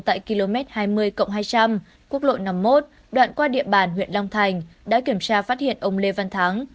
tại km hai mươi hai trăm linh quốc lộ năm mươi một đoạn qua địa bàn huyện long thành đã kiểm tra phát hiện ông lê văn thắng